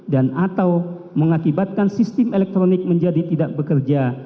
dan atau mengakibatkan sistem elektronik menjadi tidak bekerja